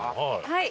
はい。